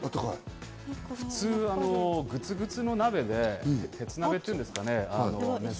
普通、グツグツの鍋で鉄鍋っていうんですか？